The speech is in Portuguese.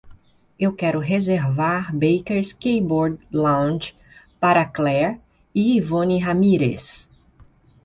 Eu quero reservar Baker's Keyboard Lounge para clare e yvonne ramirez.